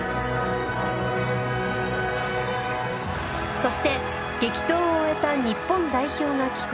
そして激闘を終えた日本代表が帰国。